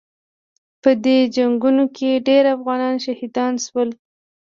په دې جنګونو کې ډېر افغانان شهیدان شول.